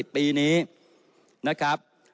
ปีนี้นะครับ